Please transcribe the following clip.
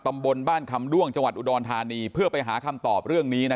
ตำบลบ้านคำด้วงจังหวัดอุดรธานีเพื่อไปหาคำตอบเรื่องนี้